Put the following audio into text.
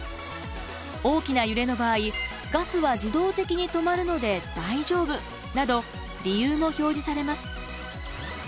「大きなゆれの場合ガスは自動的に止まるので大丈夫」など理由も表示されます。